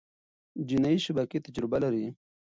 جنایي شبکې تجربه لري.